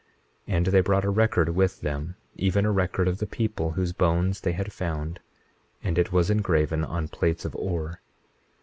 21:27 And they brought a record with them, even a record of the people whose bones they had found; and it was engraven on plates of ore.